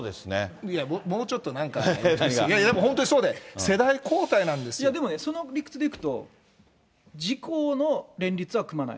もうちょっとなんか、いやいや、本当にそうで、世代交代なんでもね、その理屈でいくと、自公の連立は組まない。